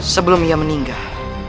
sebelum ia meninggal